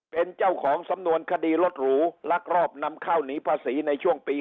เป็นเจ้าของสำนวนคดีรถหรูลักลอบนำข้าวหนีภาษีในช่วงปี๒๕